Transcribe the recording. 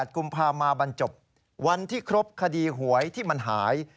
กุมภามาบรรจบวันที่ครบคดีหวยที่มันหาย